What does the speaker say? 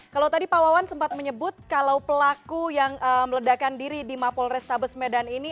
kalau tadi pak wawan sempat menyebut kalau pelaku yang meledakan diri di mapol restabes medan ini